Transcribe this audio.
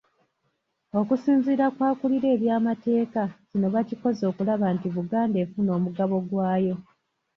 Okusinziira ku akulira ebyamateeka kino bakikoze okulaba nti Buganda efuna omugabo gwayo.